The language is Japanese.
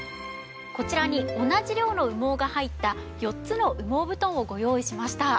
こちらに同じ量の羽毛が入った４つの羽毛布団をご用意しました。